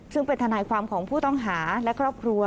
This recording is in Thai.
ซึ่งเป็นทนายความของผู้ต้องหาและครอบครัว